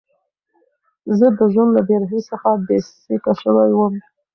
زه د ژوند له بېرحمۍ څخه بېسېکه شوی وم.